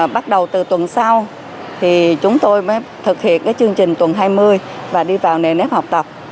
bắt đầu từ tuần sau thì chúng tôi mới thực hiện cái chương trình tuần hai mươi và đi vào nề nét học tập